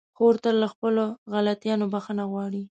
خور تل له خپلو غلطيانو بخښنه غواړي.